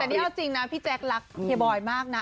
แต่นี่เอาจริงนะพี่แจ๊ครักเฮียบอยมากนะ